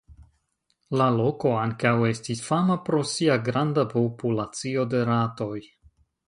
La loko ankaŭ estis fama pro sia granda populacio de ratoj.